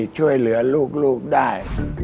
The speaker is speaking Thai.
ช่วยเหลือลูกได้